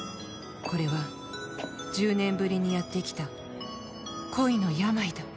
これは１０年ぶりにやってきた恋の病だ。